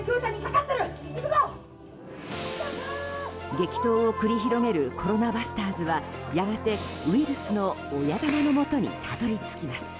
激闘を繰り広げるコロナバスターズはやがて、ウイルスの親玉のもとにたどり着きます。